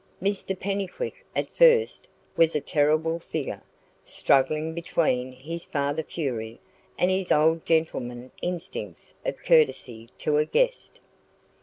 Mr Pennycuick, at first, was a terrible figure, struggling between his father fury and his old gentleman instincts of courtesy to a guest.